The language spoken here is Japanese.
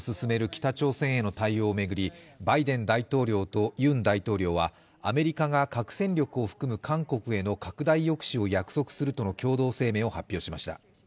北朝鮮への対応を巡り、バイデン大統領とユン大統領はアメリカが核戦力を含む韓国への拡大抑止を約束するとの共同声明を発表しました。